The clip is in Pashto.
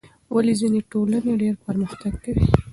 ولې ځینې ټولنې ډېر پرمختګ کوي؟